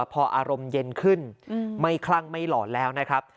พออารมณ์เย็นขึ้นไม่คลั่งไม่หลอนแล้วนะครับ